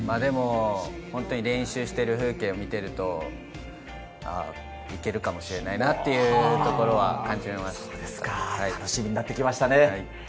本当に練習している風景を見ていると、いけるかもしれないなとい楽しみになってきましたね。